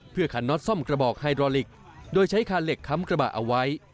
เพื่อขันน็อตซ่อมกระบอกไฮโดลิกโดยใช้คานเหล็กค้ำกระบะเอาไว้